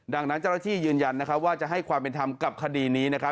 ดังนั้นเจ้าหน้าที่ยืนยันว่าจะให้ความเป็นธรรมกับคดีนี้นะครับ